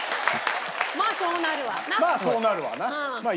まあそうなるわな。